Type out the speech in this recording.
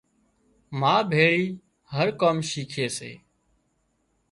ما ڀيۯي هر ڪام شِيکي سي